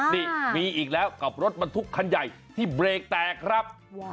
นี่มีอีกแล้วกับรถบรรทุกคันใหญ่ที่เบรกแตกครับ